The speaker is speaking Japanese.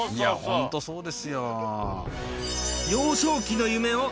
ホントそうですよ。